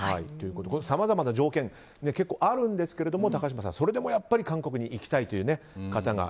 さまざまな条件結構あるんですけど高嶋さん、それでも韓国に行きたいという方が。